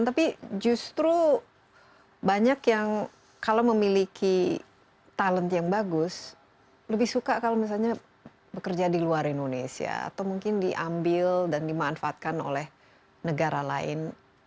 tapi justru banyak yang kalau memiliki talent yang bagus lebih suka kalau misalnya bekerja di luar indonesia atau mungkin diambil dan dimanfaatkan oleh negara lain